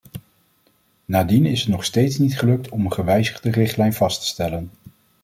Nadien is het nog steeds niet gelukt om een gewijzigde richtlijn vast te stellen.